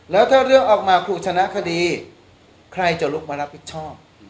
แล้วถ้าเรื่องออกมาคุณชนะคดีใครจะลุกมารับผิดชอบ